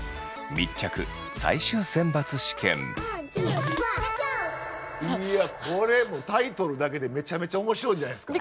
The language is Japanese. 本日最後のいやこれタイトルだけでめちゃめちゃ面白いんじゃないですか。